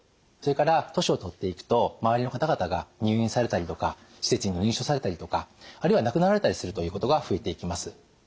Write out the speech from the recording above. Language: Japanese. それから年を取っていくと周りの方々が入院されたりとか施設に入所されたりとかあるいは亡くなられたりするということが増えていきます。